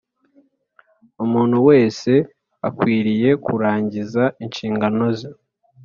Umuntu wese akwiriye kurangiza inshingano ze